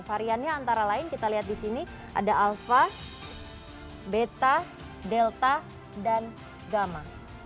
variannya antara lain kita lihat di sini ada alfa beta delta dan gamma